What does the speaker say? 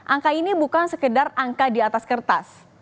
angka ini bukan sekedar angka di atas kertas